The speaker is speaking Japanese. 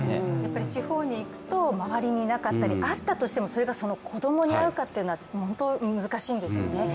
地方に行くと、周りになかったり、あったとしても、それが子供に合うかというのが本当に難しいんですよね。